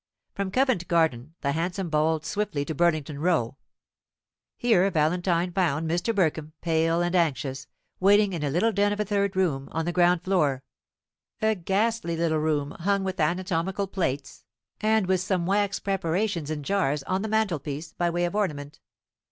From Covent Garden the hansom bowled swiftly to Burlington Row. Here Valentine found Mr. Burkham, pale and anxious, waiting in a little den of a third room, on the ground floor a ghastly little room, hung with anatomical plates, and with some wax preparations in jars, on the mantelpiece, by way of ornament.